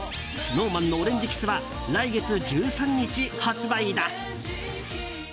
ＳｎｏｗＭａｎの「オレンジｋｉｓｓ」は来月１３日、発売だ。